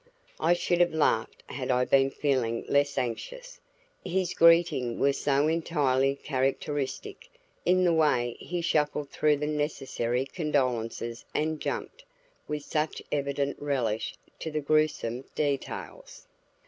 I should have laughed had I been feeling less anxious. His greeting was so entirely characteristic in the way he shuffled through the necessary condolences and jumped, with such evident relish, to the gruesome details.